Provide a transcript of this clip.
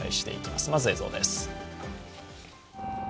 まず映像です。